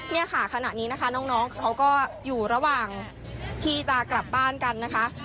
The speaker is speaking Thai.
เนี่ยค่ะขณะนี้นะคะน้องเขาก็อยู่ระหว่างที่จะกลับบ้านกันนะคะ